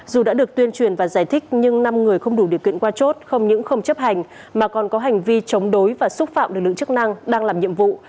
dù đã được tuyên truyền và giải thích nhưng năm người không đủ điều kiện qua chốt không những không chấp hành mà còn có hành vi chống đối và xúc phạm lực lượng chức năng đang làm nhiệm vụ